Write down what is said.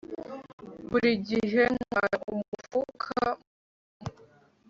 Buri gihe ntwara umufuka muto